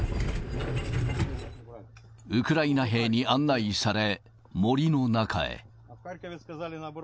ウクライナ兵に案内され、森の中へ。